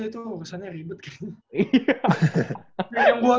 itu urusannya ribet kayaknya